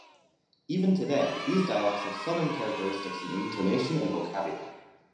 Even today, these dialects have southern characteristics in intonation and vocabulary.